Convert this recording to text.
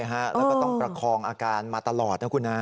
แล้วก็ต้องประคองอาการมาตลอดนะคุณฮะ